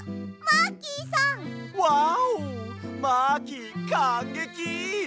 マーキーかんげき！